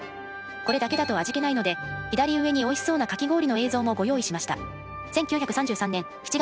これだけだと味気ないので左上においしそうなかき氷の映像もご用意しました。